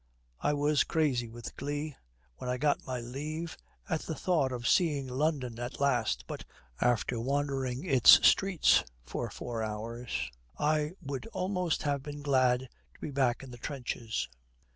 I was crazy with glee, when I got my leave, at the thought of seeing London at last, but after wandering its streets for four hours, I would almost have been glad to be back in the trenches.'